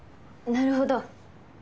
なるほど。